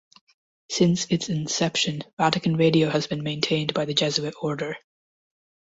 Since its inception, Vatican Radio has been maintained by the Jesuit Order.